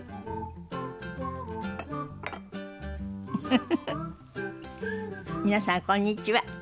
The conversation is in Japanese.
フフフフ皆さんこんにちは。